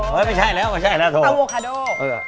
ไม่ใช่แล้วไม่ใช่แล้ว